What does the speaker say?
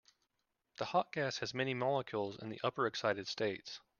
The hot gas has many molecules in the upper excited states.